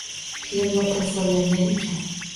Filmda tasvirlangan ekan